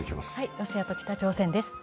ロシアと北朝鮮です。